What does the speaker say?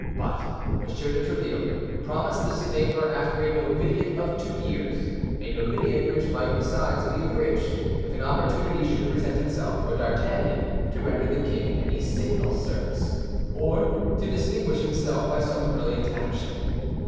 But M. de Tréville promised this favor after a novitiate of two years—a novitiate which might besides be abridged if an opportunity should present itself for D'Artagnan to render the king any signal service, or to distinguish himself by some brilliant action.